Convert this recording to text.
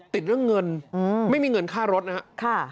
ติดเรื่องเงินไม่มีเงินค่ารถนะครับ